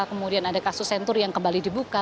kemudian ada kasus sentur yang kembali dibuka